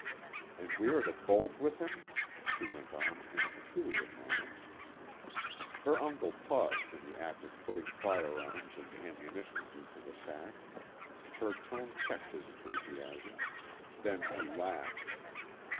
"And we are to bolt with him?" she went on in a peculiar manner. Her uncle paused in the act of putting firearms and ammunition into the sack. Her tone checked his enthusiasm. Then he laughed.